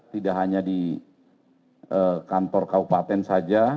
tidak hanya di kantor kaupaten saja